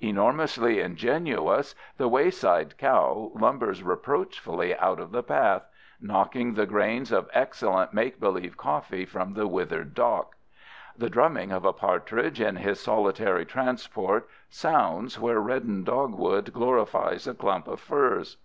Enormously ingenuous, the wayside cow lumbers reproachfully out of the path, knocking the grains of excellent make believe coffee from the withered dock. The drumming of a partridge in his solitary transport sounds where reddened dogwood glorifies a clump of firs.